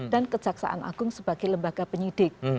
dan kejaksaan agung sebagai lembaga penyidik